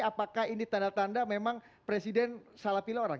apakah ini tanda tanda memang presiden salah pilih orang